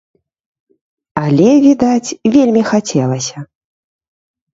Але, відаць, вельмі хацелася.